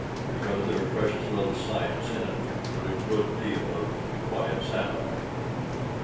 "Because there's precious little science in it, but a good deal of quiet satire."